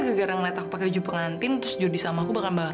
yeay cantik cantik cantik banget